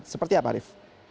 seperti apa arief